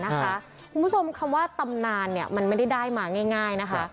คุณผู้ชมคำว่าตำนานมันไม่ได้ได้มาง่ายนะคะ